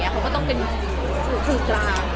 เขาก็ต้องเป็นสื่อกลาง